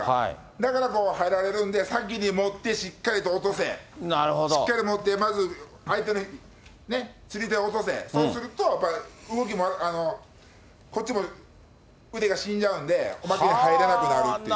だからこう入られるんで、先に持って、しっかりと落とせ、しっかり持って、まず相手のね、釣り手を落とせ、そうすると、やっぱ動きも、こっちも腕が死んじゃうんで、おまけに入れなくなるっていう。